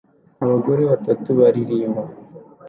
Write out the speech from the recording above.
Abagore batatu baririmba